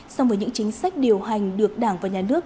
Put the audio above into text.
song với những chính sách điều hành được đảng và nhà nước